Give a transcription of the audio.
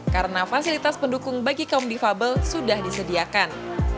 karena fasilitas pendukung bagi kaum difabel sudah disediakan